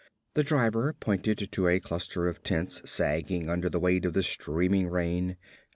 The driver pointed to a cluster of tents sagging under the weight of the streaming rain.